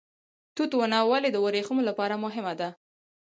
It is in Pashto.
توت ونه ولې د وریښمو لپاره مهمه ده؟